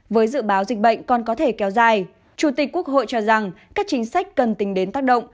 với dự báo dịch bệnh còn có thể kéo dài chủ tịch quốc hội cho rằng các chính sách cần tính đến tác động